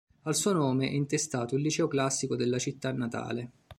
Al suo nome è intestato il liceo classico della città natale.